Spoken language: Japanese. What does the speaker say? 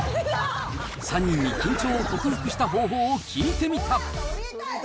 ３人に緊張を克服した方法を聞いてみた。